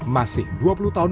masih dua puluh tahun